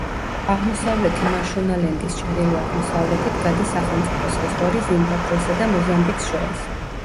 აღმოსავლეთი მაშონალენდის ჩრდილო-აღმოსავლეთით გადის სახელმწიფო საზღვარი ზიმბაბვესა და მოზამბიკს შორის.